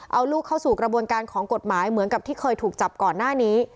เอาลูกเข้าสู่กระบวนการของกฎหมายเหมือนกับที่เคยถูกจับก่อนหน้านี้